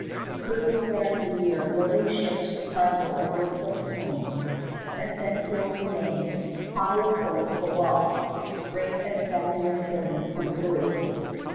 The crews spend the year loading the ships with cargo of worthless stones, and set sail in May, high of hope for wealth great as Spaniard carried from Peru.